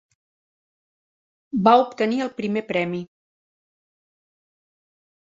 Va obtenir el primer premi.